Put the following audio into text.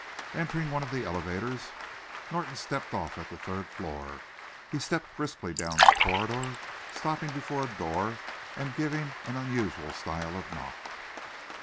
Entering one of the elevators, Norton stepped off at the third floor. He stepped briskly down a corridor, stopping before a door and giving an unusual style of knock.